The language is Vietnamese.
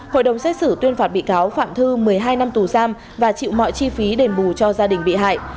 hội đồng xét xử tuyên phạt bị cáo phạm thư một mươi hai năm tù giam và chịu mọi chi phí đền bù cho gia đình bị hại